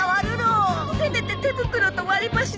せめて手袋と割り箸使わせて。